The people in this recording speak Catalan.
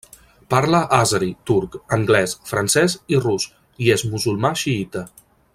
Parla àzeri, turc, anglès, francès i rus, i és musulmà xiïta.